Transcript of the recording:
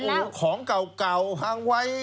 ร้านของเก่าหังไว้